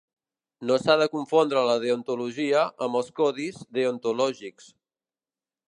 No s'ha de confondre la deontologia amb els codis deontològics.